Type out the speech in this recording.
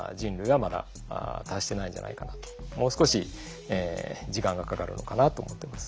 もう少し時間がかかるのかなと思ってます。